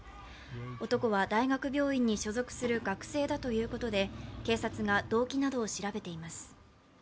男は大学病院に所属する学生だということで警察が動機などを調べています。